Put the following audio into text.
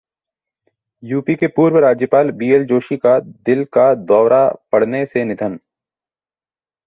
UP के पूर्व राज्यपाल बीएल जोशी का दिल का दौरा पड़ने से निधन